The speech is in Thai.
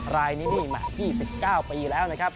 รายนิมิตมา๙๙ปีแล้ว